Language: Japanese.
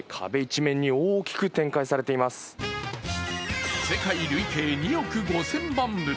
今の思いは世界累計２億５０００万部。